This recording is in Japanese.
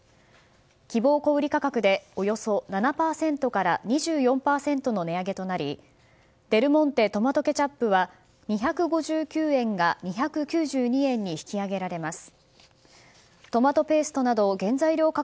希望小売価格でおよそ７％から２４％の値上げとなりデルモンテトマトケチャップは２５９円が２９２円に引き上げられます。